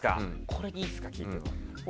これいいですか、聞いて。